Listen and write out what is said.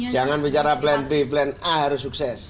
jangan bicara plan b plan a harus sukses